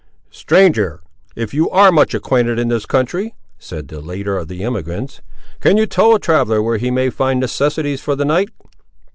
"Stranger, if you ar' much acquainted in this country," said the leader of the emigrants, "can you tell a traveller where he may find necessaries for the night?"